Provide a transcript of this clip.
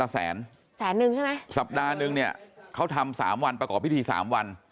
สัปดาห์หนึ่งเขาทำ๓วันประกอบพิธี๓วัน